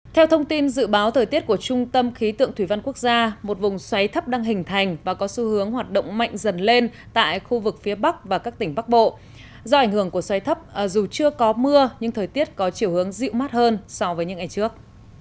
theo thông tin dự báo thời tiết của trung tâm khí tượng thủy văn quốc gia một vùng xoáy thấp đang hình thành và có xu hướng hoạt động mạnh dần lên tại khu vực phía bắc và các tỉnh bắc bộ do ảnh hưởng của xoáy thấp dù chưa có mưa nhưng thời tiết có chiều hướng dịu mát hơn so với những ngày trước